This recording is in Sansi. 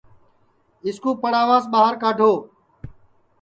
اِس کُو پڑاواس ٻہار کڈؔو